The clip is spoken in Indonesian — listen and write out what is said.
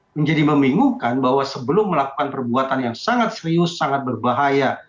menjadi membingungkan bahwa sebelum melakukan perbuatan yang sangat serius sangat berbahaya